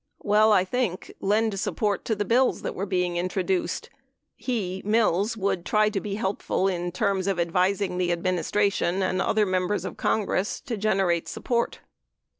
Well, I think, lend support to the bills that were being introduced ... he (Mills) would try to be helpful in terms of advising the administration and other Members of Congress to generate support.